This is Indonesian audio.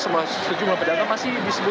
sejumlah pedagang pasti disebut